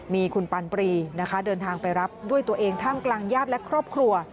มีคุณปันปรีนะคะเดินทางไปรับด้วยตัวเองท่ามกลางญาติและครอบครัว